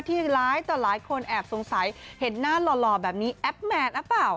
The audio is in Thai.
ที่หลายคนแอบสงสัยเห็นหน้าหล่อแบบนี้แอปแมนนะเปล่า